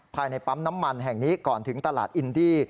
ภายในปั๊มน้ำมันแห่งนี้ก่อนถึงตลาดอินดี้